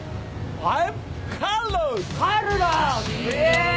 はい。